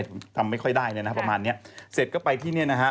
ผมทำไม่ค่อยได้เลยนะประมาณเนี้ยเสร็จก็ไปที่เนี่ยนะฮะ